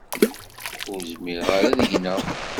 Ur zmireɣ ara ad gneɣ.